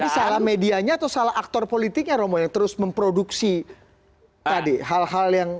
jadi salah medianya atau salah aktor politiknya romo yang terus memproduksi tadi hal hal yang